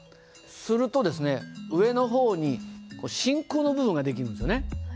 するとですね上の方に真空の部分が出来るんですよね。